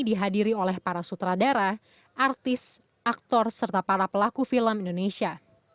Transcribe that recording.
dihadiri oleh para sutradara artis aktor serta para pelaku film indonesia